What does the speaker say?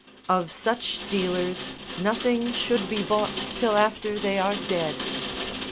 Of such dealers nothing should be bought till after they are dead.